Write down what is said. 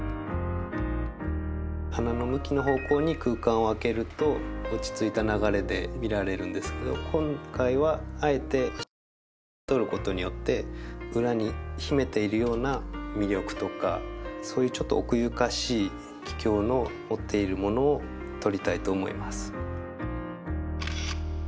花の向きの方向に空間をあけると落ち着いた流れで見られるんですけど今回は裏に秘めているような魅力とかそういうちょっと奥ゆかしいキキョウの持っているものを撮りたいと思います。